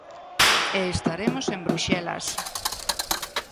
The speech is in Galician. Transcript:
E estaremos en Bruxelas.